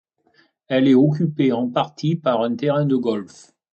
Elle est occupée en partie par un terrain de golf.